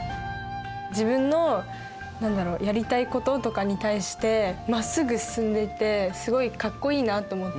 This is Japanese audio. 自分の何だろうやりたいこととかに対してまっすぐ進んでいてすごいかっこいいなと思って。